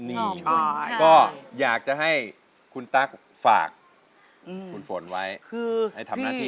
นี่ก็อยากจะให้คุณตั๊กฝากคุณฝนไว้ให้ทำหน้าที่ต่อคือพี่